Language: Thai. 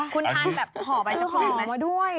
คุณทานแบบห่อใบชะพรูไหม